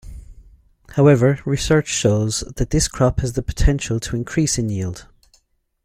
However, research shows that this crop has the potential to increase in yield.